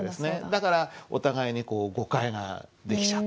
だからお互いにこう誤解ができちゃった。